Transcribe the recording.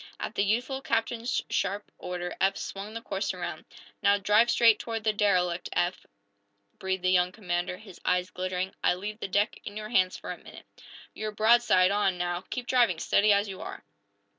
At the youthful captain's sharp order Eph swung the course around. "Now, drive straight toward the derelict, Eph!" breathed the young commander, his eyes glittering. "I leave the deck in your hands for a minute. You're broadside on, now. Keep driving, steady, as you are!"